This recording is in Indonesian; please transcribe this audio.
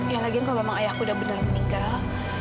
ya lagian kalau memang ayahku udah benar meninggal